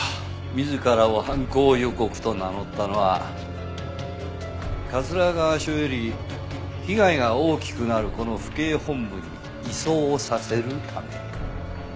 自らを犯行予告と名乗ったのは桂川署より被害が大きくなるこの府警本部に移送をさせるため。